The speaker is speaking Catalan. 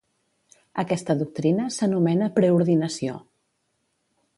Aquesta doctrina s'anomena "preordinació".